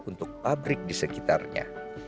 untuk pabrik di sekitarnya